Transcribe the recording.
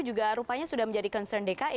juga rupanya sudah menjadi concern dki